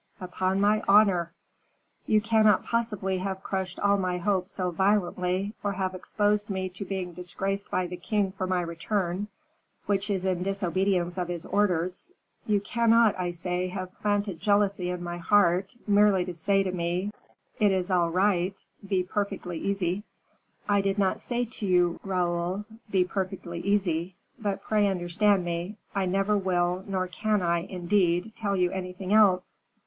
"Upon my honor!" "You cannot possibly have crushed all my hopes so violently, or have exposed me to being disgraced by the king for my return, which is in disobedience of his orders you cannot, I say, have planted jealousy in my heart, merely to say to me, 'It is all right, be perfectly easy.'" "I do not say to you, Raoul, 'Be perfectly easy;' but pray understand me; I never will, nor can I, indeed, tell you anything else."